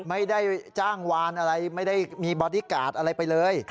ไม่ได้จ้างวานอะไรไม่ได้มีบอดี้การ์ดอะไรไปเลย